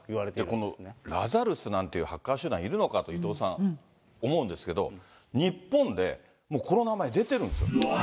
このラザルスなんていうハッカー集団いるのかと伊藤さん、思うんですけど、日本でもうこの名前、出てるんです。